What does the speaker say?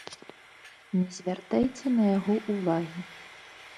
Не звяртайце на яго ўвагі.